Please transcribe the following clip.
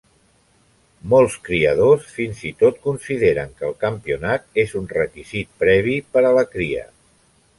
Molts criadors fins i tot consideren que el campionat és un requisit previ per a la cria.